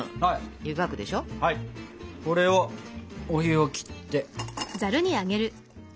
これをお湯を切って。